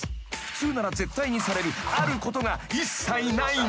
［普通なら絶対にされるあることが一切ないんです］